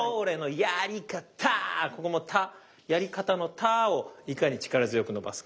ここも「た」「やり方」の「た」をいかに力強く伸ばすか。